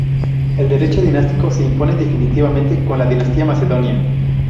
El derecho dinástico se impone definitivamente con la dinastía macedonia.